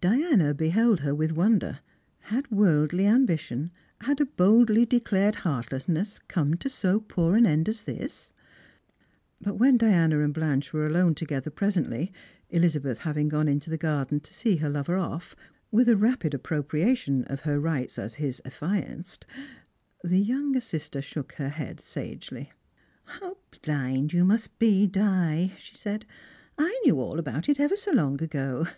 Diana beheld her with wonder. Had worldly ambition, had a boldlj" declared heartlessness come to so poor an end as this ? But when Diana and Blanche were alone together presently, Elizabeth having gone into the garden to see her lover off, with a rapid appropriation of her rights as his affianced, the youngei eister shook her head sagely. " How Wind you must be, Di !" she said. " I knew all about it ever so long ago.